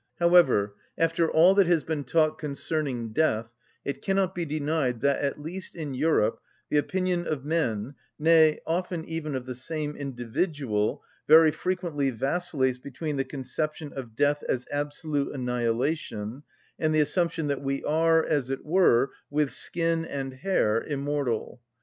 However, after all that has been taught concerning death, it cannot be denied that, at least in Europe, the opinion of men, nay, often even of the same individual, very frequently vacillates between the conception of death as absolute annihilation and the assumption that we are, as it were, with skin and hair, immortal.